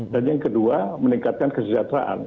dan yang kedua meningkatkan kesejahteraan